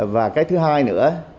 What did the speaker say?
và cái thứ hai nữa